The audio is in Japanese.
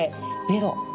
ベロ。